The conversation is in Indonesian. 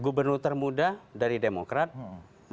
gubernur termuda dari demokrasi